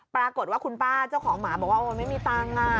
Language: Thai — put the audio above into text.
ปรากฏว่าคุณป้าเจ้าของหมาบอกว่าไม่มีตังค์